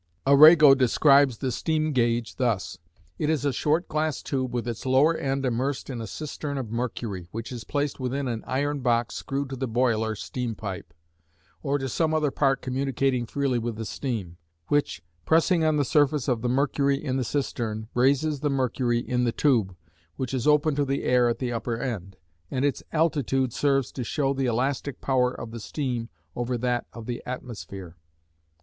Arago describes the steam gauge thus: It is a short glass tube with its lower end immersed in a cistern of mercury, which is placed within an iron box screwed to the boiler steam pipe, or to some other part communicating freely with the steam, which, pressing on the surface of the mercury in the cistern, raises the mercury in the tube (which is open to the air at the upper end), and its altitude serves to show the elastic power of the steam over that of the atmosphere.